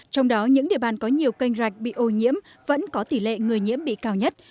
trong đó những địa bàn có nhiều kênh rạch bị ô nhiễm vẫn có tỷ lệ người nhiễm bị cao nhất